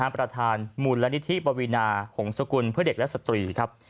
ประธานมูลนิธิปวีนาหงศกุลเพื่อเด็กและสตรีครับ